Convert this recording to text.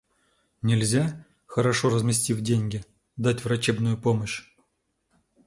Нельзя, хорошо разместив деньги, дать врачебную помощь?